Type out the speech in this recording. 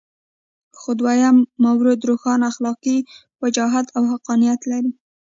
خو دویم مورد روښانه اخلاقي وجاهت او حقانیت لري.